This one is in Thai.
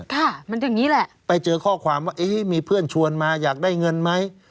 ค่ะมันอย่างนี้แหละไปเจอข้อความว่าเอ๊ะมีเพื่อนชวนมาอยากได้เงินไหม